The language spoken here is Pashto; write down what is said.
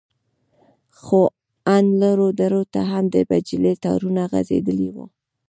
خو ان لرو درو ته هم د بجلي تارونه غځېدلي وو.